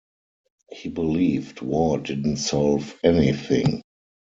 He believed war didn't solve anything.